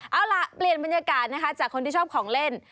เอาล่ะเปลี่ยนบรรยากาศนะคะจากคนที่ชอบของเล่น